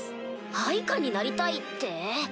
配下になりたいって？